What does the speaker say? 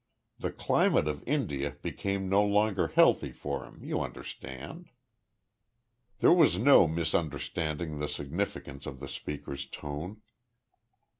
The climate of India became no longer healthy for him, you understand." There was no misunderstanding the significance of the speaker's tone.